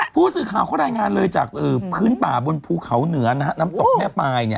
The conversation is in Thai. ผู้สื่อข่าวเขารายงานเลยจากพื้นป่าบนภูเขาเหนือน้ำตกแม่ปลาย